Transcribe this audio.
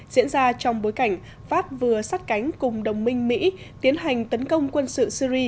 diễn ra trong bối cảnh pháp vừa sát cánh cùng đồng minh mỹ tiến hành tấn công quân sự syri